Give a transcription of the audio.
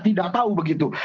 tidak tahu begitu